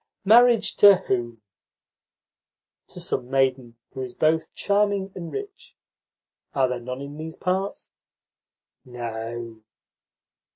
"Marriage to whom?" "To some maiden who is both charming and rich. Are there none in these parts?" "No."